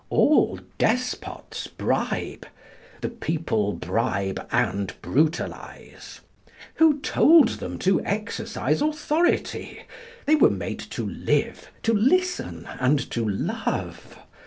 All despots bribe. The people bribe and brutalise. Who told them to exercise authority? They were made to live, to listen, and to love.